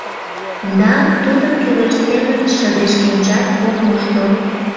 Да тудо кӱлеш семын шыдешкенжат ок мошто.